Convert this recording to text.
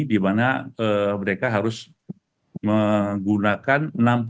di mana mereka harus menggunakan enam puluh